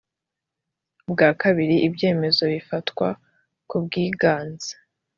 bwa kabiri ibyemezo bifatwa ku bwiganze